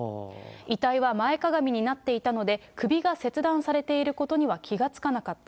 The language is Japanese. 遺体は前かがみになっていたので、首が切断されていることには気が付かなかった。